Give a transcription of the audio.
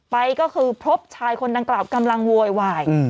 ไปก็คือพบชายคนดังกล่าวกำลังโวยวาย